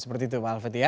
seperti itu pak alfati ya